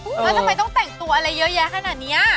เนี้ยมาสมัยต้องแต่งตัวอะไรเยอะแยะขนาดเนี้ย